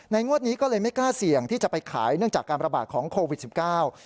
งวดนี้ก็เลยไม่กล้าเสี่ยงที่จะไปขายเนื่องจากการประบาดของโควิดสิบเก้า